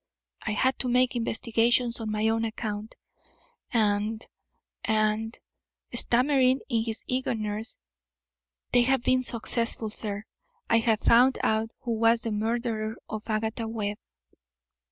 I had to make investigations on my own account, and and" stammering in his eagerness "they have been successful, sir. I have found out who was the murderer of Agatha Webb."